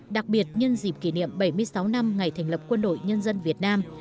đặc biệt nhân dịp kỷ niệm bảy mươi sáu năm ngày thành lập quân đội nhân dân việt nam